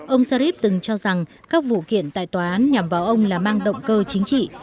ông sharif từng cho rằng các vụ kiện tại tòa án nhằm vào ông là mang động cơ chính trị